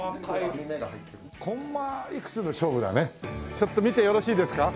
ちょっと見てよろしいですか？